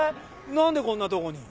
何でこんなとこに。